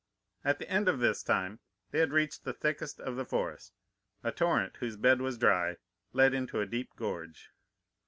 At the end of this time they had reached the thickest part of the forest. A torrent, whose bed was dry, led into a deep gorge.